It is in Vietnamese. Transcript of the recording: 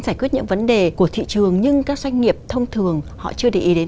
giải quyết những vấn đề của thị trường nhưng các doanh nghiệp thông thường họ chưa để ý đến